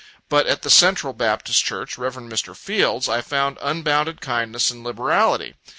But at the Central Baptist Church, Rev. Mr. Fields', I found unbounded kindness and liberality.